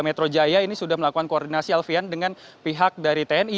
dan metro jaya ini sudah melakukan koordinasi alfian dengan pihak dari tni